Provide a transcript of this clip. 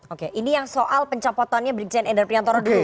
oke ini yang soal pencampotannya beriksaan ender piantoran dulu